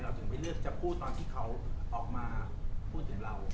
ถึงไม่เลือกจะพูดตอนที่เขาออกมาพูดถึงเรา